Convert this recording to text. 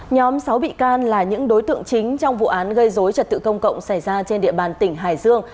nhóm sáu bị can là những đối tượng chính trong vụ án gây dối trật tự công cộng xảy ra trên địa bàn tỉnh hải dương